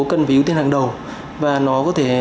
cần phải ưu tiên hàng đầu và nó có thể